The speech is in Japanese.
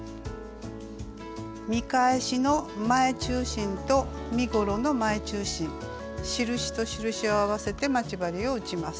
見返しの前中心と身ごろの前中心印と印を合わせて待ち針を打ちます。